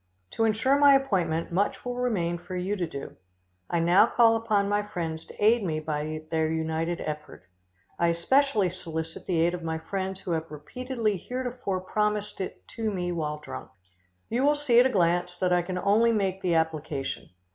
To insure my appointment, much will remain for you to do. I now call upon my friends to aid me by their united effort. I especially solicit the aid of my friends who have repeatedly heretofore promised it to me while drunk. [Illustration: PLENTY OF CORRESPONDENCE.] You will see at a glance that I can only make the application.